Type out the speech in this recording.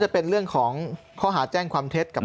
จะเป็นเรื่องของข้อหาแจ้งความเท็จกับ